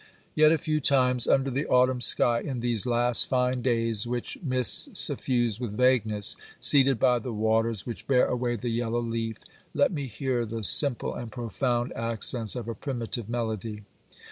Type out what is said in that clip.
Yet a few times under the autumn sky, in these last fine days which mists suffuse with vagueness, seated by the waters which bear away the yellow leaf, let me hear the simple and profound accents of a primitive melody.